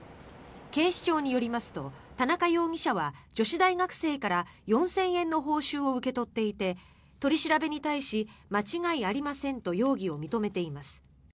警視庁によりますと田中容疑者は女子大学生から４０００円の報酬を受け取っていて取り調べに対し間違いありませんと容疑を認めています。